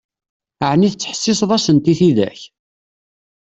Ɛni tettḥessiseḍ-asent i tidak?